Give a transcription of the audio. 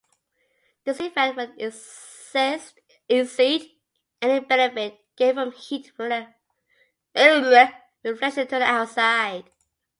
This effect would exceed any benefit gained from heat reflection to the outside.